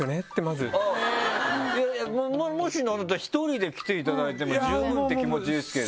いやいやもしなんだったら１人で来ていただいても十分って気持ちですけど。